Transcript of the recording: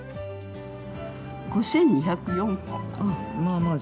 ５２０４歩。